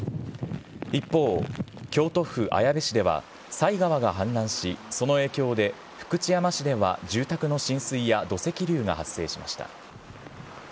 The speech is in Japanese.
一方、京都府綾部市では、犀川が氾濫し、その影響で、福知山市では住宅の浸水や土石流が発生しました。